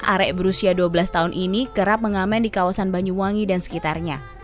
arek berusia dua belas tahun ini kerap mengamen di kawasan banyuwangi dan sekitarnya